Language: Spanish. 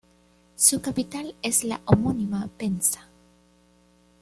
Su capital es la homónima Penza.